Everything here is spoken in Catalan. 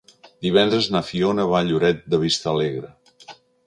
Divendres na Fiona va a Lloret de Vistalegre.